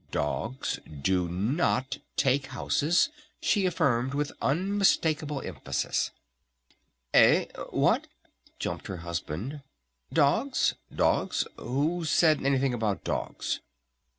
"Dogs do not take houses!" she affirmed with unmistakable emphasis. "Eh? What?" jumped her husband. "Dogs? Dogs? Who said anything about dogs?"